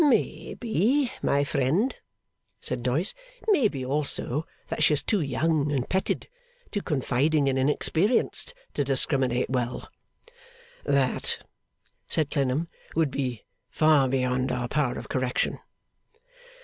'Maybe, my friend,' said Doyce. 'Maybe also, that she is too young and petted, too confiding and inexperienced, to discriminate well.' 'That,' said Clennam, 'would be far beyond our power of correction.